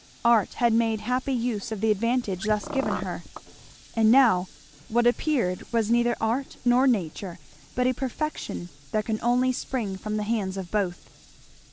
Art had made happy use of the advantage thus given her; and now what appeared was neither art nor nature, but a perfection that can only spring from the hands of both.